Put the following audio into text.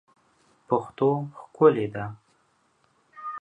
پښتو ښکلې ده